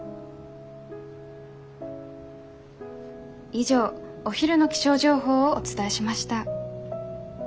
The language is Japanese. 以上お昼の気象情報をお伝えしました。